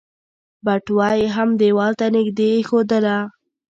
بټوه يې هم ديوال ته نږدې ايښودله.